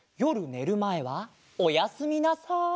ねるまえはおやすみなさい。